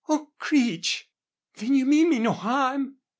"Oh, Creech! ... Then you mean me no harm!"